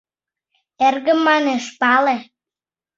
— Эргым, — манеш, — пале.